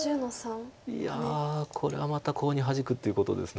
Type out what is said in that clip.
いやこれはまたコウにハジくっていうことです。